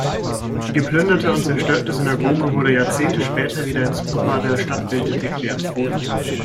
Die geplünderte und zerstörte Synagoge wurde Jahrzehnte später wieder ins Bopparder Stadtbild integriert.